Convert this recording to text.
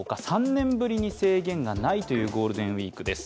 ３年ぶりに制限がないというゴールデンウイークです。